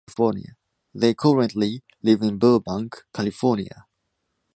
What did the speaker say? They currently live in Burbank, California.